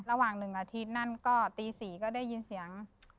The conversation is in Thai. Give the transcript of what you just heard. ระหว่าง๑อาทิตย์นั่นก็ตี๔ก็ได้ยินเสียง